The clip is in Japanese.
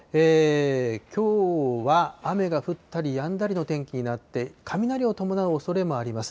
きょうは、雨が降ったりやんだりの天気になって、雷を伴うおそれもあります。